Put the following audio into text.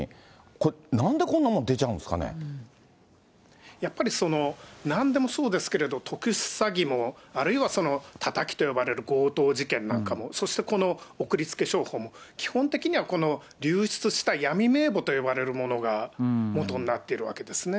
これ、なんでこんなもん、やっぱりなんでもそうですけれども、特殊詐欺も、あるいはそのたたきと呼ばれる強盗事件なんかも、そしてこの送りつけ商法も、基本的にはこの流出した闇名簿と呼ばれるものがもとになっているわけですね。